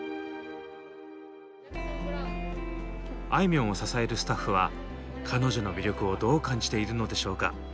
あいみょんを支えるスタッフは彼女の魅力をどう感じているのでしょうか？